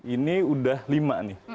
ini udah lima nih